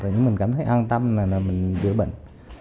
những mình cảm thấy an tâm là mình đỡ bệnh